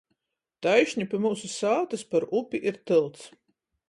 Taišni pi myusu sātys par upi ir tylts.